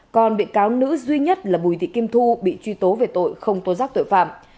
còn bị cáo nữ duy nhất là bùi thị kim thu bị truy tố về tội không tố giác tội phạm